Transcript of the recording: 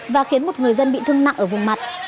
và khiến một người dân bị thương nặng ở vùng mặt